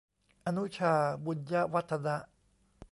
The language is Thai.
อนุชา บุญยวรรธนะ